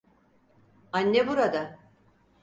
Anne burada.